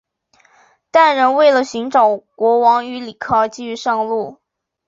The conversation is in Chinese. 但仍为了寻找国王与里克而继续上路。